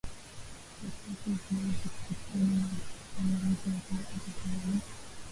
chakata viazi kupata malighafi za viwanda